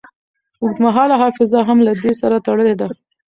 اوږدمهاله حافظه هم له دې سره تړلې ده.